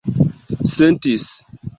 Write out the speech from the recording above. sentis